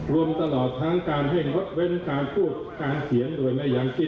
รวมตลอดทั้งการเร่งงดเว้นการพูดการเขียนโดยไม่ยังคิด